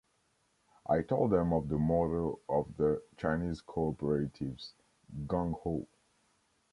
I told them of the motto of the Chinese Cooperatives, Gung Ho.